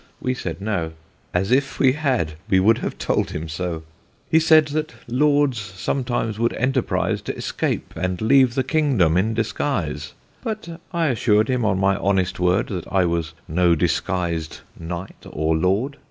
We said No, (As if we had we would haue told him so) He said that Lords sometimes would enterprise T' escape and leaue the Kingdome in disguise: But I assur'd him on my honest word That I was no disguisèd Knight or Lord.